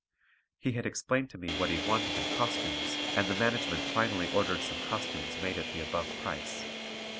He had explained what he wanted in costumes, and the management finally ordered some costumes made at the above price.